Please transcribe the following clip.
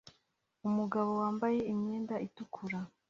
Umugabo wambaye imyenda itukura